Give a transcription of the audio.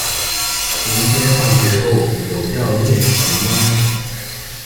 明天放學後有要練習嗎？